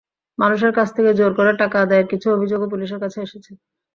মানুষের কাছ থেকে জোর করে টাকা আদায়ের কিছু অভিযোগও পুলিশের কাছে এসেছে।